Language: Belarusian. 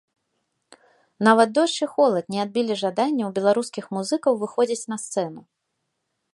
Нават дождж і холад не адбілі жадання ў беларускіх музыкаў выходзіць на сцэну.